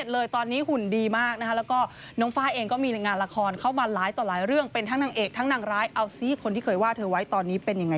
เป็นอย่างไรบ้างล่ะนอกจากนั้นค่ะ